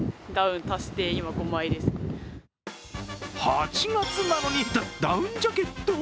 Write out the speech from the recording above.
８月なのにダ、ダウンジャケット？